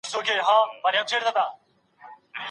هماغه اندازه تر نیوکي لاندي نیول سوی وای،